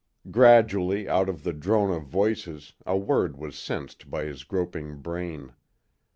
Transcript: Gradually, out of the drone of voices a word was sensed by his groping brain.